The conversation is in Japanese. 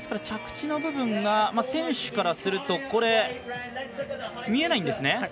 着地の部分が選手からすると見えないんですね。